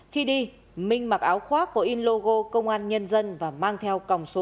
khi đi minh mặc áo khoác có in logo công an nhân dân và mang theo còng số tám